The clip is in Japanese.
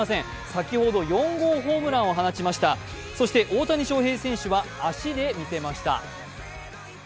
先ほど４号ホームランを放ちましたそして大谷翔平選手は足で見せました。